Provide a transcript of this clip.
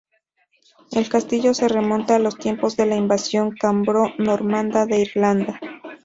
El castillo se remonta a los tiempos de la Invasión cambro-normanda de Irlanda.